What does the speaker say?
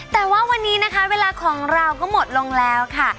แต่ว่าวันนี้นะคะเวลาของเราก็หมดลงแล้วค่ะ